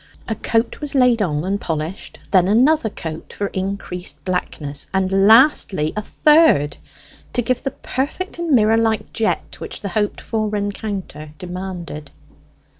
A coat was laid on and polished; then another coat for increased blackness; and lastly a third, to give the perfect and mirror like jet which the hoped for rencounter demanded.